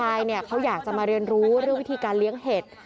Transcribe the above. ยายเนี่ยเขาอยากจะมาเรียนรู้เรื่องวิธีการเลี้ยงเห็ด